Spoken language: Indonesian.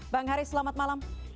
bang haris selamat malam